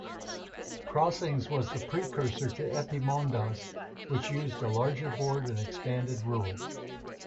Crossings was the precursor to Epaminondas, which uses a larger board and expanded rules.